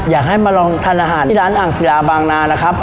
อยากให้มาลองทานอาหารที่ร้านอ่างศิลาบางนานะครับ